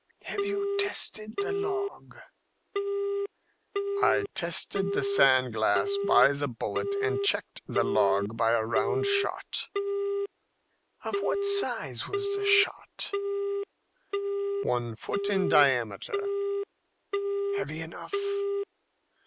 "Have you tested the log?" "I tested the sand glass by the bullet, and checked the log by a round shot." "Of what size was the shot?" "One foot in diameter." "Heavy enough?"